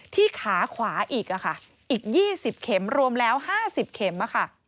ที่ขาขวาอีกอีก๒๐เข็มรวมแล้ว๕๐เข็ม